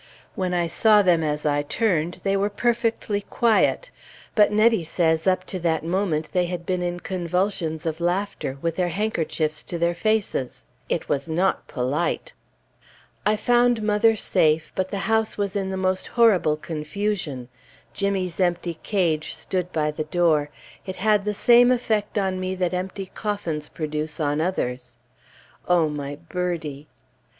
When I saw them as I turned, they were perfectly quiet; but Nettie says up to that moment they had been in convulsions of laughter, with their handkerchiefs to their faces. It was not polite! I found mother safe, but the house was in the most horrible confusion. Jimmy's empty cage stood by the door; it had the same effect on me that empty coffins produce on others. Oh, my birdie!